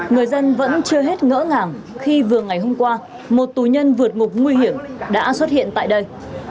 người dân vẫn chưa hết ngỡ ngàng khi vừa ngày hôm qua một tù nhân vượt ngục nguy hiểm đã xuất hiện tại đây